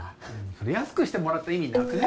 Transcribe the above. それ安くしてもらった意味なくね？